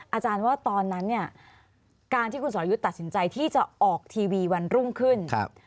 อาจารย์ว่าตอนนั้นเนี่ยการที่คุณสอรยุทธ์ตัดสินใจที่จะออกทีวีวันรุ่งขึ้น